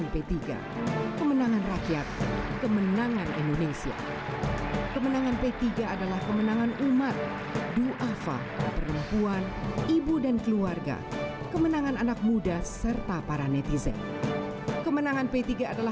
paling tidak pemirsa akan bisa menyaksikan bahwa khusus untuk acara ini saja ingin ditampilkan semuanya